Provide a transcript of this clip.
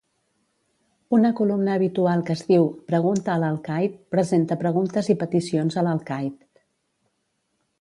Una columna habitual que es diu "Pregunta a l'alcaid" presenta preguntes i peticions a l'alcaid.